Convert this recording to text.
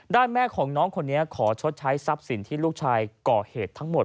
แม่ของน้องคนนี้ขอชดใช้ทรัพย์สินที่ลูกชายก่อเหตุทั้งหมด